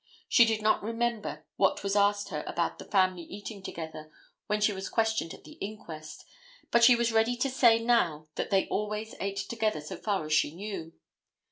She did not remember what was asked her about the family eating together, when she was questioned at the inquest, but she was ready to say now that they always ate together so far as she knew.